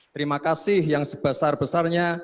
terima kasih yang sebesar besarnya